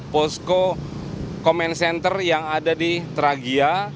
posko comment center yang ada di tragia